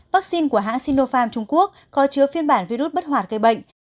vaccine của hãng sinopharm trung quốc có chứa phiên bản virus bất hoàn gây bệnh